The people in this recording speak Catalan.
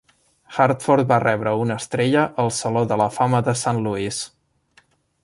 Hartford va rebre una estrella al saló de la fama de Saint Louis.